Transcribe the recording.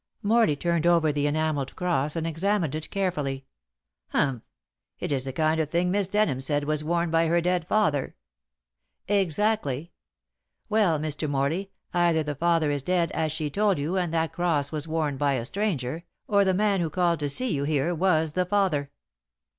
Morley turned over the enamelled cross and examined it carefully. "Humph! It is the kind of thing Miss Denham said was worn by her dead father." "Exactly. Well, Mr. Morley, either the father is dead as she told you and that cross was worn by a stranger, or the man who called to see you here was the father."